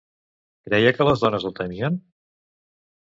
Creia que les dones el temien?